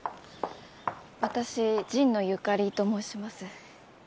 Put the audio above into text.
私神野由香里と申します。